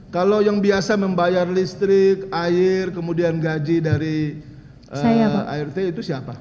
kalau yang biasa membayar listrik air kemudian gaji dari art itu siapa